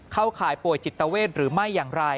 เข้าข่ายป่วยจิตเตอร์เวทหรือไม่อย่างไร